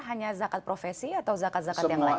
hanya zakat profesi atau zakat zakat yang lain